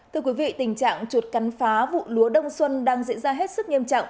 thưa quý vị tình trạng chuột cắn phá vụ lúa đông xuân đang diễn ra hết sức nghiêm trọng